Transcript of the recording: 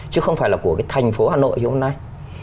chứ không phải là của cái thành phố hà nội hôm nay